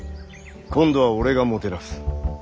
今度は俺がもてなす。